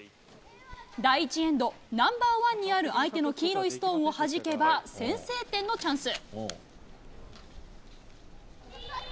第１エンド、ナンバーワンにある相手の黄色いストーンをはじけば先制点のチャンス。